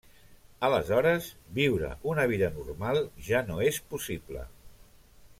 Aleshores, viure una vida normal ja no és possible.